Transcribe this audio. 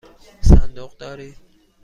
صندوق دارید؟